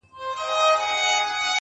لـــكــه ښـــه اهـنـــگ-